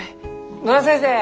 野田先生